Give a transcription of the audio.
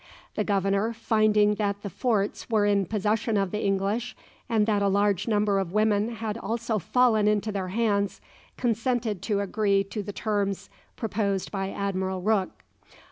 The governor, finding that the forts were in possession of the English and that a large number of women had also fallen into their hands, consented to agree to the terms proposed by Admiral Rooke.